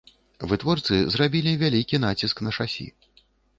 Вытворцы зрабілі вялікі націск на шасі.